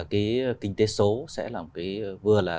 kinh tế số sẽ vừa là